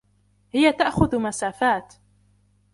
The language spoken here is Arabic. هي تأخذ مسافات.